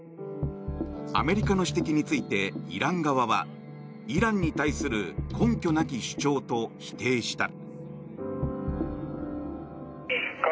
アメリカの指摘についてイラン側はイランに対する根拠なき主張と否定した。